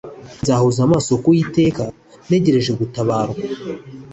nzahoza amaso ku uwiteka ntegereze gutabarwa